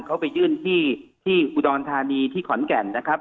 เขาไปยื่นที่ที่อุดรธานีที่ขอนแก่นนะครับ